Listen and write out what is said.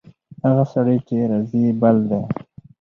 هغه سړی چې راځي، بل دی.